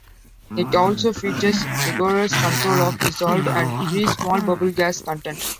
It also features rigorous control of dissolved and free small bubble gas content.